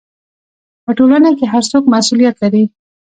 په ټولنه کې هر څوک مسؤلیت لري.